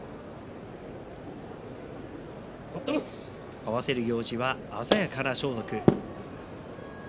合わせる行司は鮮やかな装束。